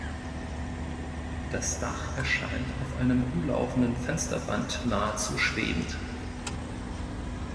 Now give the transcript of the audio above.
Das Dach erscheint auf einem umlaufenden Fensterband nahezu schwebend.